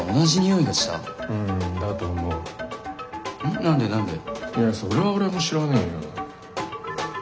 いやそれは俺も知らねえよ。